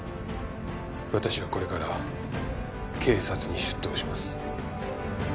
私はこれから警察に出頭します。